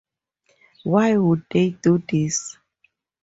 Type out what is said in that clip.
Why would they do this?